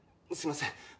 すいません。